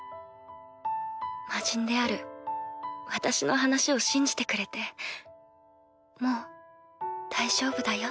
魔人である私の話を信じてくれて「もう大丈夫だよ」